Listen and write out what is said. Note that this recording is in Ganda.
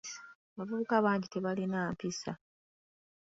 Abavubuka bangi tebalina mpisa.